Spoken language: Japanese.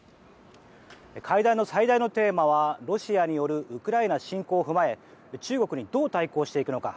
会談の最大のテーマはロシアによるウクライナ侵攻を踏まえ中国にどう対抗していくのか。